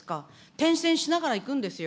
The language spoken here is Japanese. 転戦しながら行くんですよ。